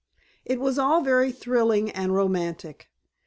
It was all very thrilling and romantic.